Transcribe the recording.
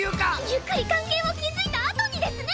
ゆっくり関係を築いたあとにですね！